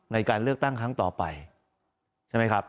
ในการเลือกตั้งครั้งต่อไปใช่ไหมครับ